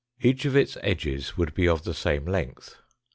Each of its edges would be of the same length.